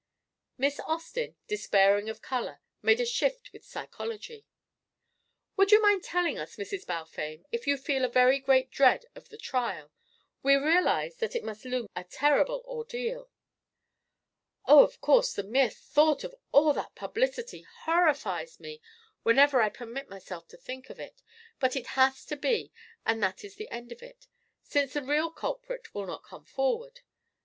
Miss Austin, despairing of colour, made a shift with psychology. "Would you mind telling us, Mrs. Balfame, if you feel a very great dread of the trial? We realise that it must loom a terrible ordeal." "Oh, of course, the mere thought of all that publicity horrifies me whenever I permit myself to think of it, but it has to be, and that is the end of it, since the real culprit will not come forward.